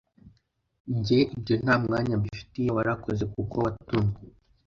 Njye ibyo ntamwanya mbifitiye warakoze kuko watumye